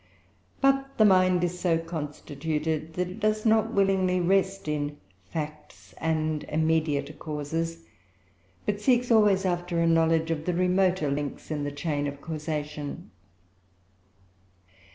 But the mind is so constituted that it does not willingly rest in facts and immediate causes, but seeks always after a knowledge of the remoter links in the chain of causation.